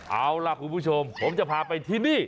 เอาล่ะคุณผู้ชมผมจะพาไปที่นี่